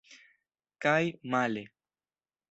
Kaj male.